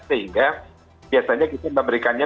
sehingga biasanya kita memberikannya